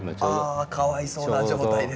ああかわいそうな状態です。